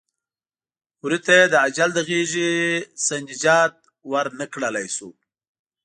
وري ته یې د اجل د غېږې نه نجات ور نه کړلی شو.